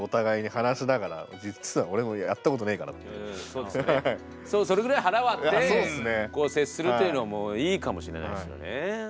そうですよねそれぐらい腹割って接するというのもいいかもしれないですよね。